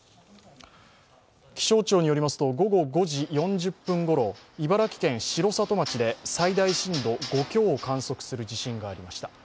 気象庁によりますと午後５時４０分ごろ、茨城県城里町で最大震度５強を観測する地震がありました。